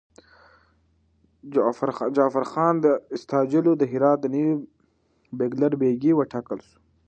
جعفرخان استاجلو د هرات نوی بیګلربيګي وټاکل شو.